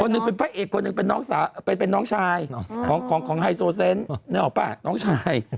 หนึ่งเป็นพระเอกคนหนึ่งเป็นน้องชายของไฮโซเซนต์นึกออกป่ะน้องชาย